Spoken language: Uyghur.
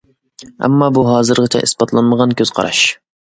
ئەمما بۇ ھازىرغىچە ئىسپاتلانمىغان كۆز قاراش.